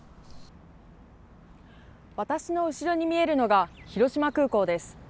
私の後ろに見えるのが広島空港です。